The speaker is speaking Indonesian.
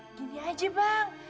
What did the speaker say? eh gini aja bang